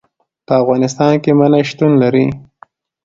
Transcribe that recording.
په افغانستان کې منی شتون لري.